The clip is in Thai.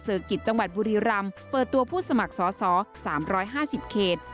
กิจจังหวัดบุรีรำเปิดตัวผู้สมัครสอสอ๓๕๐เขต